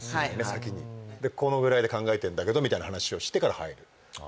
先にでこのぐらいで考えてるんだけどみたいな話をしてから入るあ